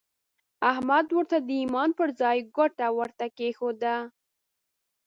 احمد ورته د ايمان پر ځای ګوته ورته کېښوده.